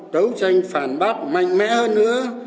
đấu tranh phản bác mạnh mẽ hơn nữa